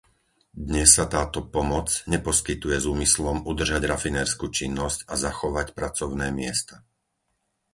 Dnes sa táto pomoc neposkytuje s úmyslom udržať rafinérsku činnosť a zachovať pracovné miesta.